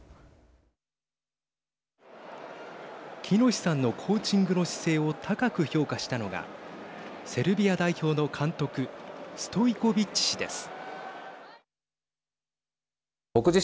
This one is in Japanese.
喜熨斗さんのコーチングの姿勢を高く評価したのがセルビア代表の監督ストイコビッチ氏です。